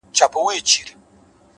وخت د هڅو حاصل څرګندوي’